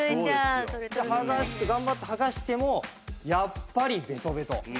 剥がして頑張って剥がしてもやっぱりベトベト。